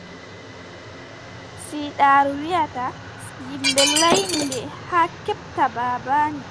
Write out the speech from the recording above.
Siidaaru wiʼata, saare ndee ɗoo yimɓe laanyi nde, haa keɓta baaba nii,